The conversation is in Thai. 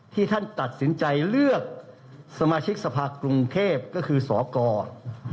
ท่านตัดสินใจเลือกสมาชิกสภาคกรุงเทพก็คือสกร